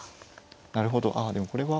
なるほどああでもこれは。